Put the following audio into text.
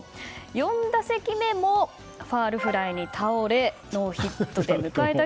４打席目もファウルフライに倒れノーヒット出迎えた